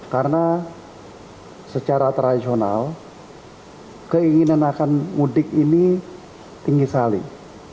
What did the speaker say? karena secara tradisional keinginan akan mudik ini tinggi saling